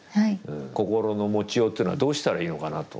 心の持ちようっていうのはどうしたらいいのかなと。